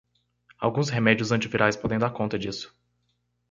Alguns remédios antivirais podem dar conta disso